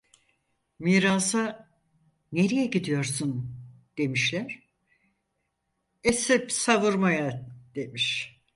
Mirasa "nereye gidiyorsun?" demişler; esip savurmaya demiş.